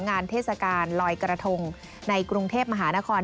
เทศกาลลอยกระทงในกรุงเทพมหานคร